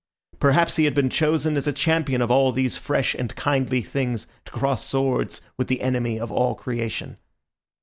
Perhaps he had been chosen as a champion of all these fresh and kindly things to cross swords with the enemy of all creation.